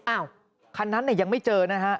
อ้าวคันนั้นยังไม่เจอนะฮะ